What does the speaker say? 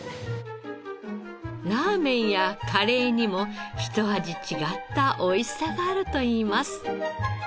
ラーメンやカレーにもひと味違った美味しさがあるといいます。